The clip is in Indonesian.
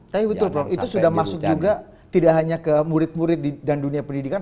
tapi betul prof itu sudah masuk juga tidak hanya ke murid murid dan dunia pendidikan